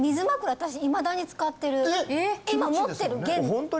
私いまだに使ってる今持ってるホントに？